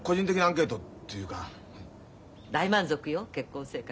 大満足よ結婚生活。